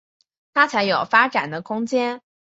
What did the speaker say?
他才有发展的空间